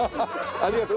ありがとう。